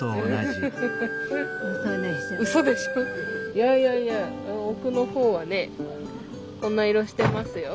いやいやいや奥の方はねこんな色してますよ。